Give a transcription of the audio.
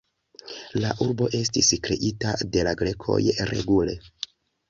La urbo estis kreita de la grekoj regule.